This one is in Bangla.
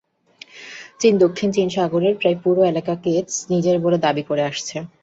চীন দক্ষিণ চীন সাগরের প্রায় পুরো এলাকাকে নিজের বলে দাবি করে আসছে।